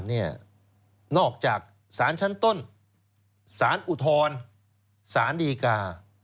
เพราะสารเนี่ยนอกจากสารชั้นต้นสารอุทรสารดีกา